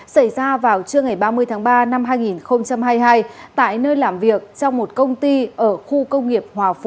xảy ra vào trưa ngày ba mươi tháng ba năm hai nghìn hai mươi hai tại nơi làm việc trong một công ty ở khu công nghiệp hòa phú